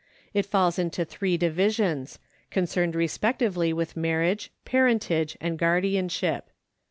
It falls into three divisions, concerned respectively with marriage, parentage, and guardianship.